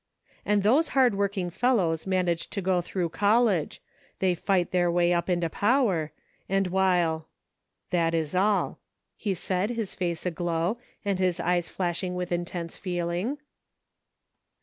And those hard working fellows manage to go through college. They fight their way up into power : and while —"" That is all," he said, his face aglow, and his eyes flashing with intense feeling.